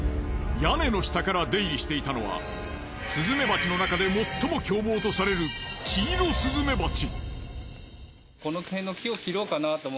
屋根の下から出入りしていたのはスズメバチのなかで最も凶暴とされるキイロスズメバチ。